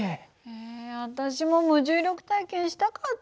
え私も無重力体験したかった！